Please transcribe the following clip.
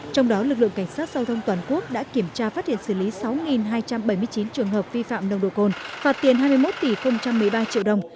trong đó lực lượng cảnh sát giao thông toàn quốc đã kiểm tra phát hiện xử lý sáu hai trăm bảy mươi chín trường hợp vi phạm nồng độ cồn phạt tiền hai mươi một tỷ một mươi ba triệu đồng